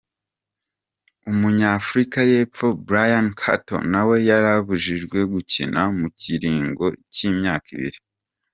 Umunya Afrika y'epfo Bryan Cottle nawe yarabujijwe gukina mu kiringo c'imyaka ibiri.